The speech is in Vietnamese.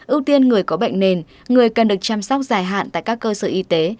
ưu tiên người có bệnh nền người cần được chăm sóc dài hạn tại các cơ sở y tế